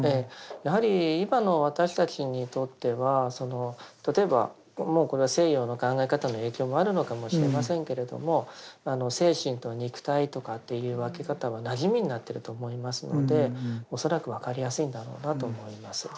やはり今の私たちにとっては例えばもうこれは西洋の考え方の影響もあるのかもしれませんけれども精神と肉体とかっていう分け方はなじみになってると思いますので恐らく分かりやすいんだろうなと思います。